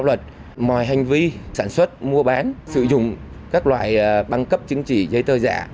các loài băng cấp chứng chỉ của pháp luật mọi hành vi sản xuất mua bán sử dụng các loài băng cấp chứng chỉ giấy tờ giả